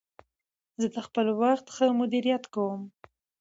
زه د خپل وخت ښه مدیریت کوم.